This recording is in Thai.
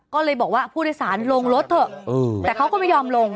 ก็เลยบอกว่าผู้โดยสารลงรถเถอะแต่เขาก็ไม่ยอมลง